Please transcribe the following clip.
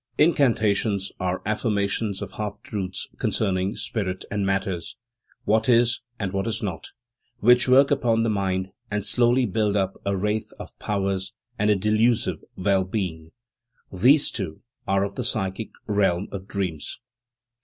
Incantations are affirmations of half truths concerning spirit and matter, what is and what is not, which work upon the mind and slowly build up a wraith of powers and a delusive well being. These, too, are of the psychic realm of dreams.